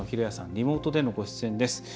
リモートでのご出演です。